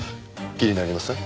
気になりません？